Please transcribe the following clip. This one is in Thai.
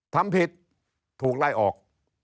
ทำผิดถูกไล่ออก